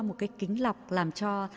một cái kính lọc làm cho